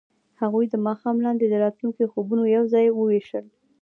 هغوی د ماښام لاندې د راتلونکي خوبونه یوځای هم وویشل.